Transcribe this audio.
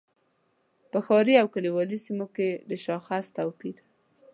په ښاري او کلیوالي سیمو کې د شاخص توپیر.